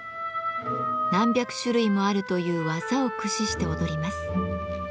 何百種類もあるという技を駆使して踊ります。